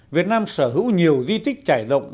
việt nam sở hữu nhiều di tích trải rộng